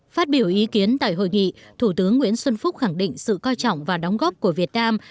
phát biểu ý kiến tại hội nghị thủ tướng nguyễn xuân phúc khẳng định sự coi trọng và đóng góp của việt nam